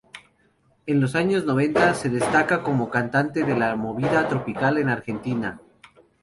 En los años noventa se destaca como cantante de la movida tropical en Argentina.